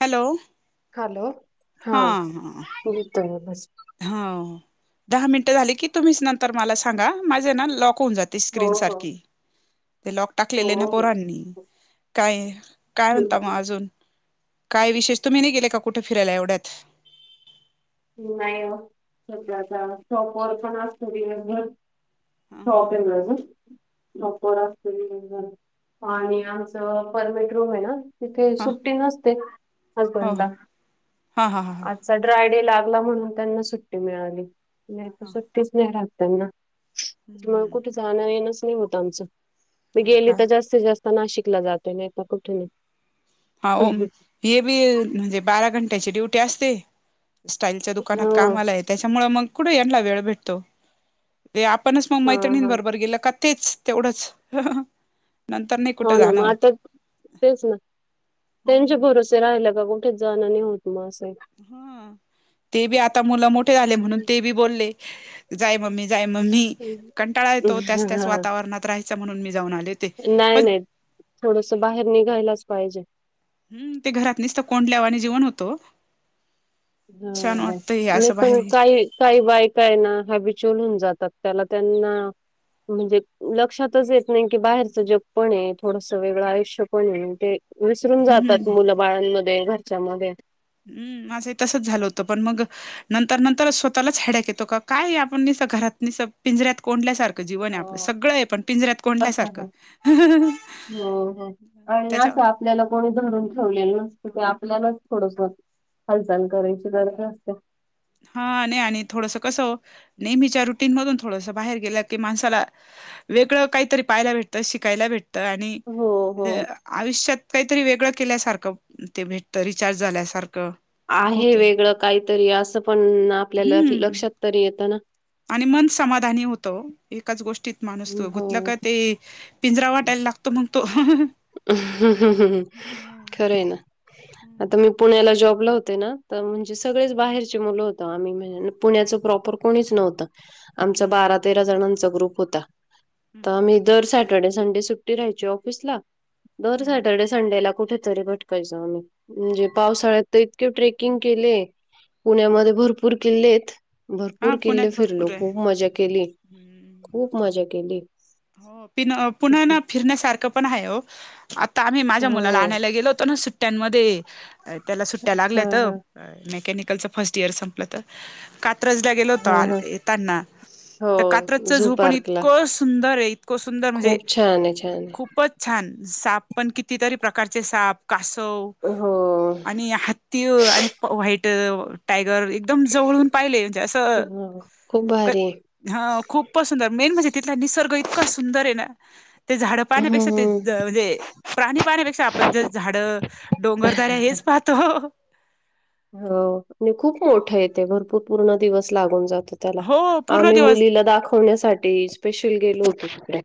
Hello hello. हा [unintelligible] हा. दहा मिनटं झाली की, तुम्हीच नंतर मला सांगा. माझे ना लॉक होउन जाते हो स्क्रीन हो सारखी. ते लॉक हो टाकलेले ना हो. पोरांनी. काय, काय म्हणता मग अजून? काय विशेष. तुम्ही नाही गेले का, कुठं फिरायला एवढ्यात? नाही हो. सध्या आता शॉपवर पण असतो दिवस भर. हा शॉप आहे ना हो माझं. शॉप वर असते मी. आणि आमचं परमेट रूम आहे ना तिथुन हां सुट्टी नसते ना हो हजबंडला. हां हां [inaudible] आजचा ड्रायडे ला मला म्हणून त्यांना सुट्टी मिळाली. नाहीतर सुट्टीच नाही राहत त्यांना. त्यामुळे हां कुठे जाण येणच नाही होत आमचं. मी हो गेले का तर जास्तीत जास्त नाशिकला जातोय. नाही तर कुठे? हाव. हे बी म्हणजे बारा घंट्याची ड्युटी असते. स्टाईलच्या दुकानात हा कामालाय, त्याच्यामुळं मग कुठे यांनला वेळ भेटतो. ते आपणच मग हा मैत्रिणीं हा बरोबर गेलं का, तेच तेवढंच. नंतर नाही हो कुठं ना जाणं मग होत आता, [inaudible] तेच ना [inaudible] त्यांच्या हम्म भरोव ते राहिलं का, कुठेच जाणं नाही होत मग असंय. हा. ते बी आता मुलं मोठे झाले म्हणून, ते हम्म. बी बोलले जाय मम्मी मग मी कंटाळा येतो त्याच त्याच वातावरणात राहायचा, म्हणून मी जाऊन आले. होते नाही पण नाही. थोडस बाहेर निघायलाच पाहिजे. हम, ते घरात निसत कोंडल्यावाणी जीवन होत ओ. ह ह. हे मी असं बाहेर पण काय काही बायका ये ना, हलबिचल होऊन जातात. त्याला त्यांना म्हणजे लक्षातच येत नाही की, बाहेरचं जग पण आहे, थोडस वेगळं आयुष्यपण आहे. ते विसरून हम्म जातात मुलं बाळांमध्ये, घरच्यांमध्ये. हम्, माझही तसच झालं होतं, पण मग नंतर, नंतर स्वतःलाच ह्याड्याक येतो का, काय हे? आपण निसत घरात निस पिंजऱ्यात कोंडल्यासारखं जीवन आहे आपलं. हो सगळं आहे पण पिंजऱ्यात कोंडल्यासारखं. [inaudible] हम्म आणि त्याच्या असं आपल्याला कोणी धरून ठेवलेलं नसतं की, आपल्यालाच थोडसं हालचाल करायची गरज असते. हा. नाही आणि थोडस कसं ओ, नेहमीच्या रुटीन मधून थोडस बाहेर गेलं की, माणसाला वेगळं काहीतरी पाहायला भेटतं. शिकायला भेट त. आणि हो हो आयुष्यात काहीतरी वेगळं केल्यासारखं ते भेटत. रिचार्ज झाल्यासारखं आहे होत वेगळं काहीतरी, असं पण आपल्याला हम्म लक्षात तरी येतं ना. आणि मन समाधानी होतं ओ. एकाच गोष्टीत माणूस तू गुतलं हो. का ते पिंजरा वाटायला लागतो मग तो. [unintelligible] खरं आहे ना. आता मी पुण्याला जॉबला होते ना, तर म्हणजे सगळेच बाहेरचे मुलं होतो आम्ही. म्हण पुण्याच प्रॉपर कोणीच नव्हतं. आमचा बारा तेरा जणांचा ग्रुप होता. तर आम्ही दर सॅटर्डेला संडे सुट्टीयची ऑफिसला दर सॅटर्डे संडेला कुठेतरी भटकायचो आम्ही म्हणजे पावसाळ्यात तर इतके ट्रेकिंग केले. पुण्यामध्ये भरपूर किल्ले आहेत हा भरपूर पुण्यात किल्ले फिरलो भरपूर आहे खूप मजा केली. हं. खूप मजा केली. हो पिन पुना फिरण्यासारखं पण आहे हो. आता आम्ही माझ्या हो मुलाला आणायला गेलो होतो ना सुट्ट्यांमध्ये त्याला सुट्ट्या हा लागल्यात. हा मेकॅनिकलचं फर्स्ट इयर संपलं तर, का कात्रजला गेलो हा हा होतो येताना, तर हो कात्रजचा झू पण पार्कला इतकं सु इतक सुंदर म्हणजे खूप छान आहे छान आहे खूपच छान साप पण कितीतरी प्रकारचे साप कासव हो. आणि हत्ती आणि व्हाईट टायगर एक एकदम जवळून पाहिले असं हो खूप भारी आहे हा खूप सुंदर मेन म्हणजे तिथला निसर्ग इतका सुंदर आहे ना. ते झाडं पाहण्यापेक्षा ते हम्म. म्हणजे प्राणी पाहण्यापेक्षा आपण ज झाड डोंगरदाार्या हेच पाहतो. हो आणि खूप मोठं येते भरपूर पूर्ण दिवस लागून जात. त्याला, हो पूर्ण आम्ही दिवस मुलीला दाखवण्यासाठी स्पेशल गेलो होतो तिकडे.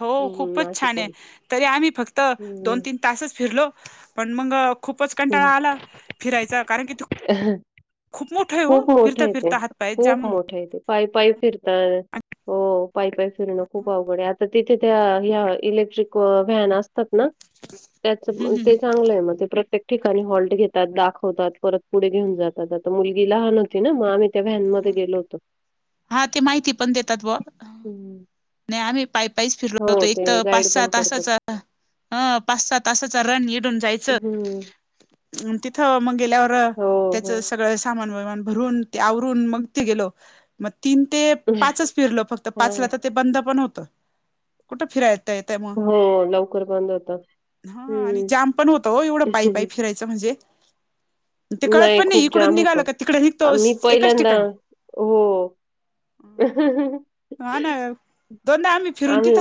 हो हम्म. खूपच छान नाशिकहून. आहे तरी आम्ही फक्त हम्म दोन तीन तासच फिरलो पण मग, खूपच हम्म. कंटाळा आला फिरायचा कारण की तू खूप मोठं आहे हो खूप मोठं फिरता आहे ते. फिरता हात पायेत खूप जाम मोठं आहे ते. पायी पायी फिरताय. हो पायीपायी फिरणं खूप आवघड आता तिथे त्या इलेक्ट्रिक व्हॅन असतात ना. त्याच हम्म ते चांगलं आहे मग ते प्रत्य ठिकाणी हॉल्ट घेतात दाखवतात परत पुढे घेऊन जातात आता मुलगीला हा. ना मग आम्ही त्या व्हनमध्येध्ये गेलो होतो. हा ती माहिती पण देतात बुवा. हं. नाही आम्ही पाय पाईच फिरलो हो, होतो एक ते तर पाच गाईड सहा पण करतात. तासाच. ह पाच सहा तासाचा रन निडून जायचा. हम्म तिथं मग गेल्यावर हो, हो. त्याचं सगळं सामान विमान भरून ते आव मग ते गेल म तीन ते पाचच फिरल फक्त पाच हां. फिरलो ते बंद पण होत कुठं फिरायचं. त्या म हो, लवकर बंद होतं. हा आणि हं. जाम पण होतो एवढं पाय पाय फिरायचं. ते म्हणजे ते कळत पण नाही खूप इकडून जाम निघाल होतं. का तिकडे आम्ही निघतोच. पहिल्यांदा हो [inaudible] दोनम्ही [inaudible] आम्ही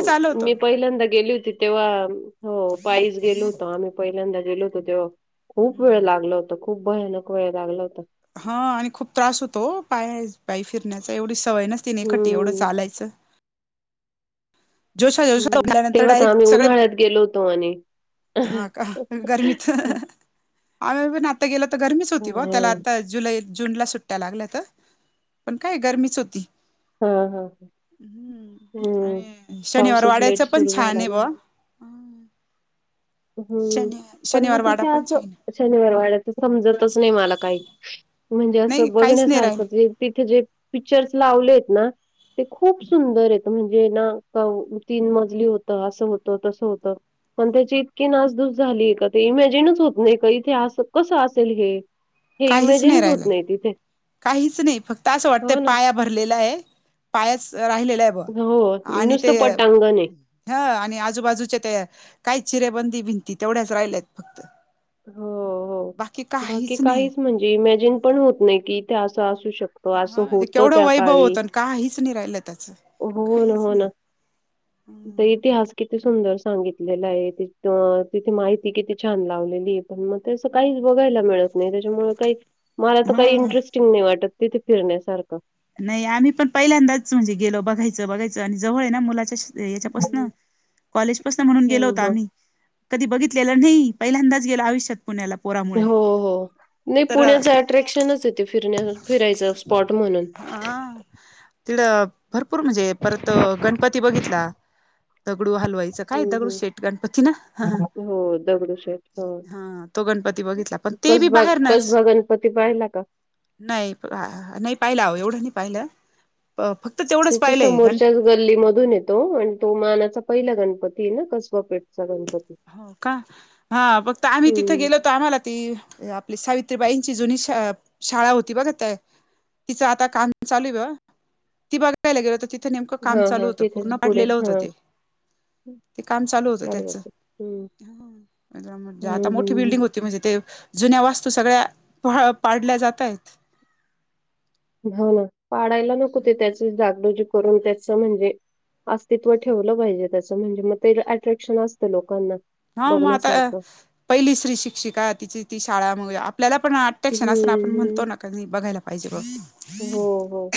मी पहिल्यांदा गेली होती तेव्हा हो पायस गेलो होतो आम्ही. पहिल्यांदा गेलो होतो तेव्हा खूप वेळ लागला होता खूप भयानक वेळ लागला होता. हा आणि खूप त्रास होतो ओ पायी फिरण्याचा एवढी सवय नसती नखटी एवढं हम्म. चालायचं. जोशा जोश हं. संल्यानंतर तेव्हा तर डायरेक्ट आम्ही सगळे उन्हाळ्यात गेलो होतो म्हणे. हा का गर्मीत आम्ही पण आता गेल तर गरमीच होती हं. आता जुलै जूनला सुट्ट्या लागल्या तर पण काय गरमीच होती. हा हा हम्म हम्म आणि शनिवार पाऊसच वाड्याचं लेट पण सुरू छान झाला आहे ना. ब हम्म शनि पण मग शनिवार वाडा तीथं पण असं छान आहे शनिवार वाड्याच समजतच नाही मला काही. म्हणजे नाही असं काहीच नाही बघण्यासारख राहिल ज तिथे जे पिक्चर्स लावलेत ना. ते खूप सुंदर येत म्हणजे ना का तीन मजली होत असं होतं तसं होतं. पण त्यांची इतकी नासधुस झाली, का ते इमॅजिनच होत नाही का इथे अस कसं असेल हे. हे काहीच इमॅजिनच होत राहिलं नाही तिथे. काहीच नाही फक्त असं वाटतंय हो ना. पाया भरलेला आहे पायाच राहिलेला आ हो, बरं आणि नुसतं ते पटांगण आहे. ह आणि आजूबाजूच्या त्या काही चिरेबंदी भिंती तेवढ्याच राहिल्यात. हो बाकी हो बाकी नाही काहीच म्हणजे इमॅजिन पण होतं नाही की असं असू शकतं. हो असं हा होतं केवढं त्या वैभव काळी, होतं आणि काहीच नाही राहिलं त्याचं हो ना काहीच हो ना नाही तो इतिहास किती सुंदर सांगितलेलं आहे, तिथं माहिती किती छान लावलेली. ते पण म त्याचं काही बघायला मिळत नाही, त्यांच्यामुळे काही मला तर हा काही इंटरेस्टिंग नाही वाटतं. तिथं फिरण्यासारखं. नाही आम्ही पण पहिल्यांदाच म्हणजे गेलो बघायचं बघायचं आणि जवळ आहे ना मुलाच्या ते याच्यापासन हं. कॉलेजपसन म्हणून गेलो हं, होतो हं. आम्ही कधी बघितलेलं नाही पहिल्यांदाच गेलो आयुष्यात. पुण्याला पोरा हो हो नाही पुण्याच अट्रॅक्शनच येते फिरण्या फिरायचं स्पॉट म्हणून. तिकडं भरपूर म्हणजे परत गणपती बघितला दगडू हालवायी काय हं, हं. दगडूशेठ गणपती ना, ह हो दगडूशेठ. हो. हा तो गणपती बघितला पण ते बी कसबा बाहेरनच कसबा पाहिला का? नाही पाहिला एवढं नाही पाहिलं अ फक्त तेवढं त्यांच्या समोरच्या गल्ली गल्ली मधून येतो आणि तो मानाचा पहिला गणपतीय ना कसबापेठचा गणपती. हो का हा फक्त आम्ही तिथं हं. गेलो आम्हाला ती आपली सावित्रीबाईंची जुनी शा शाळा होती बघा तिचं आता काम चालेल, ती बघायला गेलो तिथं नेमक काम हां, चालू हां. होतं तिथेच पूर्ण पुढे. पाडलेलं होतं हां. ते ते काम चालू होतं अरे त्याचं बापरे. हम्म. खरं म्हणजे आता हम्म, मोठी हम्म. बिल्डिंग होती. ते म्हणजे ते जुन्या वास्तू सगळ्यां पाडल्या जाता आहेत. हो ना पाडायला नको ते त्याचं डागडोजी करून त्याच म्हणजे अस्तित्व ठेवलं पाहिजे, त्याचं म्हणजे म ते अट्रॅक्शन असतं लोकांना हा म आता बघण्यासारखं पहिली स्त्री शिक्षिका तिची ती शाळा मग आपल्याला पण आ अट्रॅक्शन हम्म असं ना आपण म्हणतो हम्म. ना का बघायला पाहिजे बघ. हो हो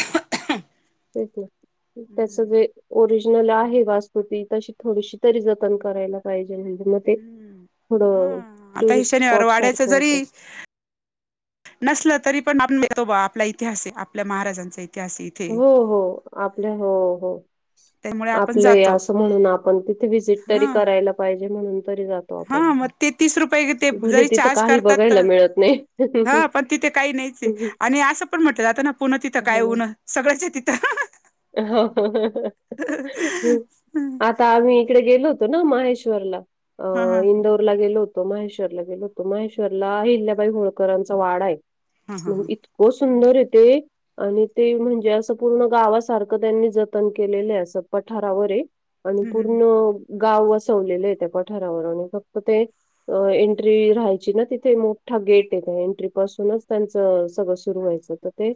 तेच की त्याचं हम्म. जे ओरिजनल नला आहे वास्तु ती तशी थोडीशी जतन करायला पाहिजे नाहीतर म हा आता हे शनिवारी स्पॉट वाड्याच सारखं जरी होतं नसलं तरी पण आपणं तो आपला इतिहास हे आपल्या महाराजांचा इतिहास हे हो हो आपल्या हो हो. त्यामुळे आपण आपलय जातो असं म्हणून आपणं तिथे वजिट तरी हा करायला पाहिजे म्हणून तरी जातो. हा आपण मग ते तीस रुपये ते भले जरी तिथं चार्ज काही करतात, बघायला मिळत नाही. तर हा पण तिथे काही नाहीच हाय. आणि असं पण म्हटलं जात पुणं तिथं काय हा ना. उन सगळंच आहे तिथं. हो हो ह हहहं आम्ही इकडे गेलो होतो, ना महेश्वरला हा हा हा इंदौर गेलो होतो, माहेश्वरला गेलो होतो माहेश्वरला हिल्याबाई होळकरांचा वाडाय. हा हा इतकं सुंदरय ते, आणि ते म्हणजे असं पूर्ण गावा सारखं त्यांनी जतन केलेलंये, असं पठारावरये आणि हम्म पूर्ण गाव वसवलेलेये पठारावर आणि फक्त ते एंट्री राहायची ना तिथे, मोठा गेटये तो. एंट्री पासूनच त्यांचं सगळं सुरू व्हायचं. तं ते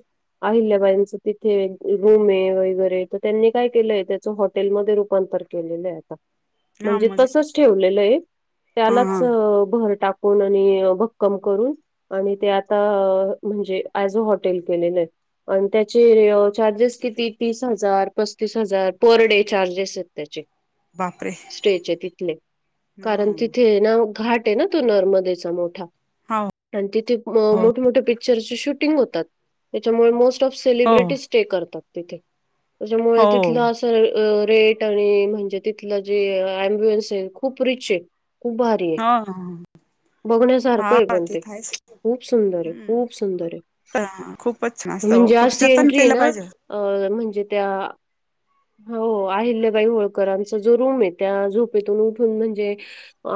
अहिल्याबाईंचं तिथे नाय वगैरे तर त्यांनी काय केलंय तेच हॉटेलमध्ये रूपांतर केलेलं आहे आता. हा म्हणजे मजे तसंच ठेवलेलंये, हा त्यालाच हा भर टाकून कून आणि भक्कम करून आणि ते आता म्हणजे एज अ हॉटेल केलेलये. आणि त्याचे चार्जेस कित तेतीस हजार, पस्तीस हजार पर डे चार्जेस येत त्याचे. बापरे स्टेच्या तिथले, कारण हम्म तिथेये ना घाट ते ना तो नर्मदेचा मोठा हो आणि तीत तिथं मो मोठे मोठे पिक्चरचे शूटिंग होतात. त्याच्यामुळे मोस्ट ऑफ हो सेलिब्रिटीज स्टे करतात. तिथे त्याच्यामुळे हो तिथलं आस रेट आणि म्हणजे तिथलं जे एम्ब्युएन्स आहे, खूप रिचये खूप भार हं हं. आहे हा पण ते. तेतं आहेच, खूप सुंदर आहे, हम्म खूप सुंदर आहे. खूप पचनास्तवं, फक्त जतन केलं पाहिजे. अं म्हणजे त्या अं हो अहिल्याबाई होळकरांचा जो रूमये, त्या झोपेतून उठून म्हणजे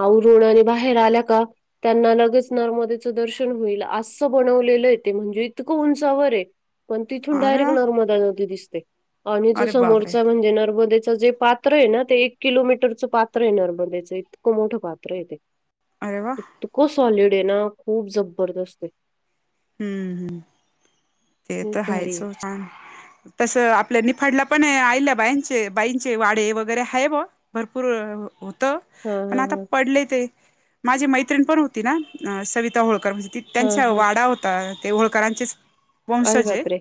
आवरून आणि बाहेर आल्या का त्यांना लगेच नर्मदेचं दर्शन होईल अस्सं बनवलेलंये ते म्हणजे इतकं उंचावर आहे. पण तिथून अरे डायरेक्ट वा नर्मदा नदी दिसते. आणि जो अरे समोर बापरे म्हणजे नर्मदेचं जे पात्र ये ना, ते एक किलोमीटरचं पात्र आहे. नर्मदेचं इतकं मोठं पात्र आहे ते. अरे वा! इतकं सॉलिड ये ना खूप जबरदस्त. हम्म हम्म, ते तर खूप भारी आहेच आहे. हो छान. तसं आपल्या निफाडला पण, आईल्याबाईंचे बाईंचे वाडे वगैरे आहे बॉ. भरपूर होतं. हां, पण हां, आता हां. पडले ते, माझी मैत्रिण पण होती ना सविता होळकर ती हां, त्यांचा हां. वाडा होता, ते होळकरांचेच अरे वंशजये बापरे!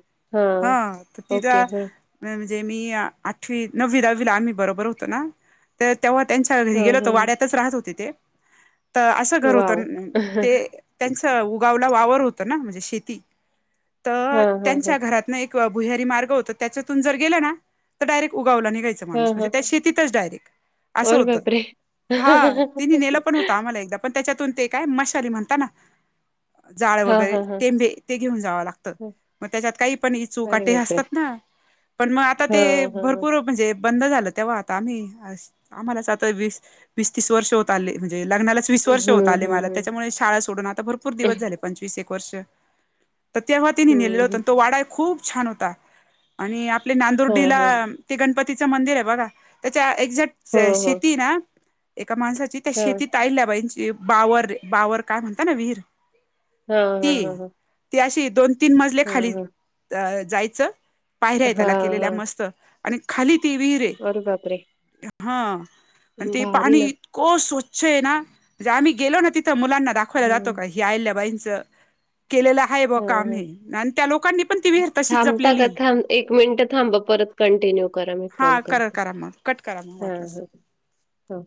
हा हां, तर तिला ओके. हां, म्हणजे मी आठवी, नववी, दहावीला आम्ही बरोबर होतो ना. तर तेव्हा त्यांच्या घरी गेलो हां, होतो, हां, हां. वाड्यातच राहत होते ते. तं असं घर होतं वॉव! नं, ते हां, त्यांचं उगावला वावर होतं ना म्हणजे शेती. तर हां, हां. त्यांच्या घरात तिथंन एक भुयारी मार्ग होता. त्याच्यातून जर गेलं ना, तर डायरेक्ट उगावला निघायचं. माणूस हां, म्हणजे हां. त्या शेतीतच डायरेक्ट. असं अरे होतं. बापरे! हा तिने नेलं पण होत आम्हाला एकदा. पण त्याच्यातून ते काय मशाली म्हणता ना, जाळ हां, वगैरे हां, हां. टेंभे ते घेऊन जावं लागतं. हं. मग त्याच्यात काही पण यीचू अरे काटे बापरे! असतात ना, पण मग आता ते हां, हां, हां. भरपूर म्हणजे. बंद झालं तेव्हा, आता आम्ही आम्हालाच आता वीस, वीस तीस वर्ष होत आले. म्हणजे लग्नालाच किती... वीस हं, वर्ष होत आले हं, मला, हं. त्याच्यामुळे शाळा सोडून आता भरपूर दिवस झाले पंचवीस एक वर्ष. तर तेव्हा तिने नेलेलं हं, होतं, हं. आणि तो वाडा खूप छान होता. आणि आपल्या हां, नांदोर्डीला हां. ते गणपतीचं मंदिर आहे बघा, त्याच्या एक्झॅक्ट हो, हो. शेती ना एका माणसाची... त्या हां. शेतीत अहिल्याबाईची बावर ये, बावर काय म्हणता ना विहीर? हा ती हा. ती अशी दोन तीन मजले खाली, अ जायचं पायऱ्या त्याला हां, केलेल्या हां. मस्त. आणि खाली ती विहीर आहे अरे बापरे! हा, आणि ते भारी पाणी ना. इतकं स्वच्छ आहे ना, म्हणजे आम्ही गेलो ना तिथं मुलांना दाखवा हं. [unintelligible] आहिल्याबाईंच केलेलं आहे. हां, काम हां. हे, आणि त्या लोकांनी पण ती विहीर तशीच थांबता का? जपलेली थांब मिनिटं थांबा. परत कंटिन्यू करा. मी हा कॉल करा करते. करा मग, कट करा मग हां, वाटलं. हां. हो.